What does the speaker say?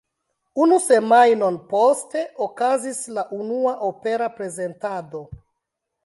Unu semajnon poste okazis la unua opera prezentado.